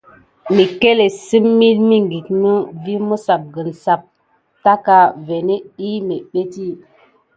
Məckéléte sim milmiŋɠuit mə vi məssapgəne sap taka vanéne ɗyi méɓɓétti.